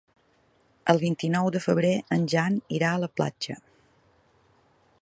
El vint-i-nou de febrer en Jan irà a la platja.